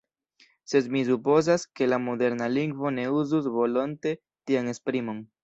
Sed mi supozas, ke la moderna lingvo ne uzus volonte tian esprimon.